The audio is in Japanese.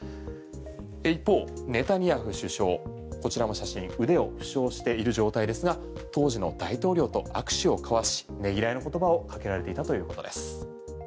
一方、ネタニヤフ首相こちらも写真腕を負傷している状態ですが当時の大統領と握手を交わしねぎらいの言葉をかけられていたということです。